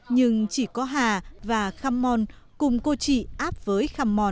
nhưng chỉ có hà và kham mon cùng cô chị áp với kham mon